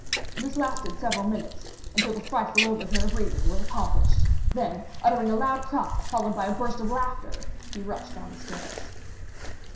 This lasted several minutes, until the frightful overturn of reason was accomplished; then uttering a loud cry followed by a burst of laughter, he rushed down the stairs.